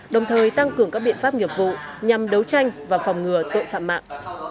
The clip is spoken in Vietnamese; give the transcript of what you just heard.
đồng thời tăng cường các biện pháp nghiệp vụ nhằm đấu tranh và phòng ngừa tội phạm mạng